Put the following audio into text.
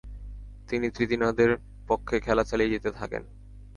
তিনি ত্রিনিদাদের পক্ষে খেলা চালিয়ে যেতে থাকেন।